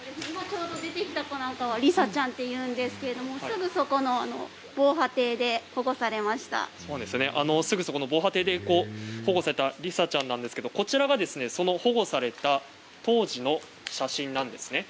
出てきた子はりさちゃんというんですがすぐそこの防波堤ですぐそこの防波堤で保護されたりさちゃんですがこちらが保護された当時の写真なんです。